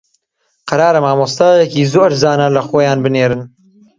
قەرارە مامۆستایەکی زۆر زانا لە خۆیان بنێرن